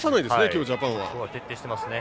今日のジャパンは。徹底していますね。